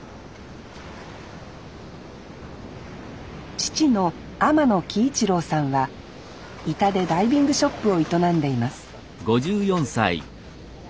父の天野喜一朗さんは井田でダイビングショップを営んでいます